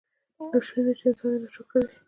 ناشونې ده چې انسان دې ناشکره وي.